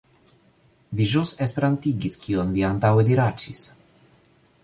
Vi ĵus esperantigis kion vi antaŭe diraĉis!